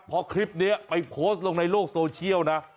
พอคลิปนี้ไปโพสต์ลงในโลกโซเชียลนะ